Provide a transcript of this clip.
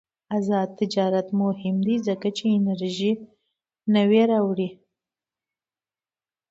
آزاد تجارت مهم دی ځکه چې انرژي نوې راوړي.